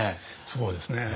そうですね。